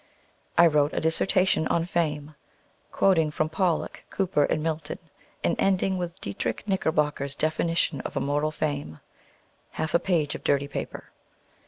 I wrote a dissertation on "Fame," quoting from Pollok, Cowper, and Milton, and ending with Diedrich Knickerbocker's definition of immortal fame, "Half a page of dirty paper."